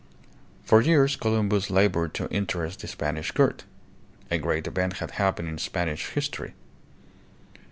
For years Columbus labored to interest the Spanish court. A great event had happened in Spanish history.